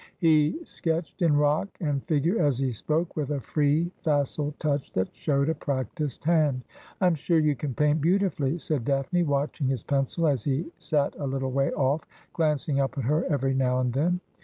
He sketched in rock and figure as he spoke, with a free facile touch that showed a practised hand. ' I'm sure you can paint beautifully,' said Daphne, watching his pencU as he sat a little way ofE, glancing up at her every now and then.